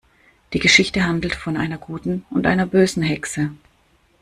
Die Geschichte handelt von einer guten und einer bösen Hexe.